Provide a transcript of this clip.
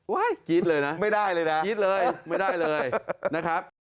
ว๊ายคิดเลยนะคิดเลยไม่ได้เลยนะครับ